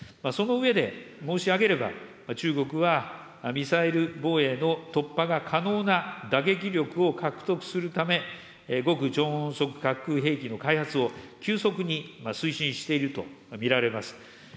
その上で申し上げれば、中国はミサイル防衛の突破が可能な打撃力を獲得するため、極超音速核兵器の開発を急速に推進していると見られます。